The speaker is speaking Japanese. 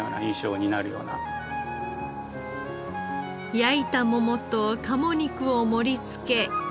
焼いた桃と鴨肉を盛りつけ。